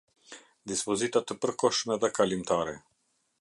Dispozita të përkohshme dhe kalimtare.